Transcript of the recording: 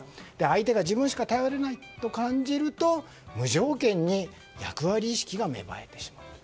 相手が自分しか頼れないと感じると無条件に役割意識が芽生えてしまうと。